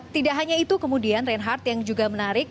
tidak hanya itu kemudian reinhardt yang juga menarik